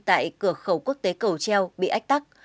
tại cửa khẩu quốc tế cầu treo bị ách tắc